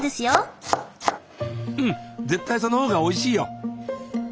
うん絶対その方がおいしいよ。